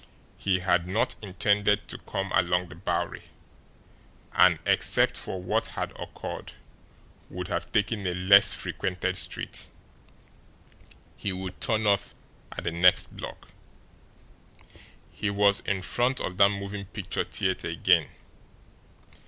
He had not intended to come along the Bowery, and, except for what had occurred, would have taken a less frequented street. He would turn off at the next block. He was in front of that moving picture theatre again.